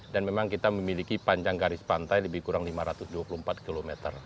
dan memang kita memiliki panjang garis pantai lebih kurang lima ratus dua puluh empat km